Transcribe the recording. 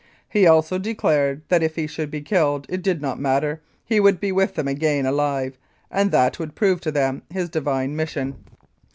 He also declared that if he should be killed it did not matter, he would be with them again alive, and that would prove to them his Divine mission.